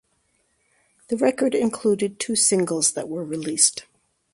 The record included two singles that were released.